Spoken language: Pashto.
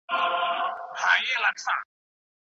د شخصيت اکرام او درناوی ولي مهم دی؟